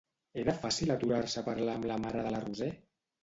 Era fàcil aturar-se a parlar amb la mare de la Roser?